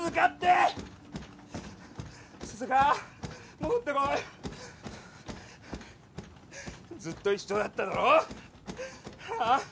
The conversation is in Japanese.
戻ってこいずっと一緒だっただろああ？